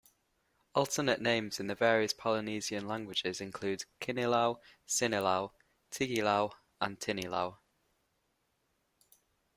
Alternate names in the various Polynesian languages include Kinilau, Sinilau, Tigilau, and Tinilau.